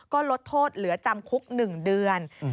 ก็ลดโทษเหลือจำคุก๑เดือน